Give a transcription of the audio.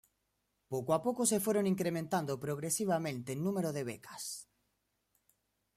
Poco a poco se fueron incrementando progresivamente el número de becas.